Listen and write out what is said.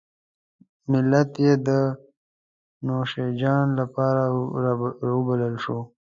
ملت یې د نوشیجان لپاره راوبلل شو.